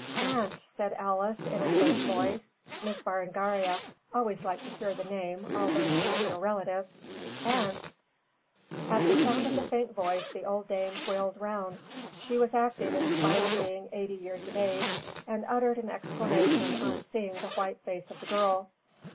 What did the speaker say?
"Aunt," said Alice, in a faint voice Miss Berengaria always liked to hear the name, although she was no relative "Aunt!" At the sound of the faint voice the old dame wheeled round she was active in spite of being eighty years of age and uttered an exclamation on seeing the white face of the girl.